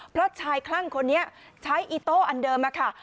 เพราะชายคลั่งคนนี้ใช้อีโต้อันเดิมอะค่ะ